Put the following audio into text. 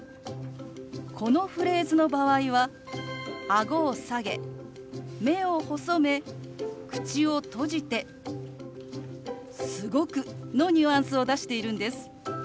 このフレーズの場合はあごを下げ目を細め口を閉じて「すごく」のニュアンスを出しているんです。